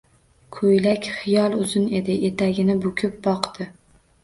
Koʼylak xiyol uzun edi. Etagini bukib boqdi.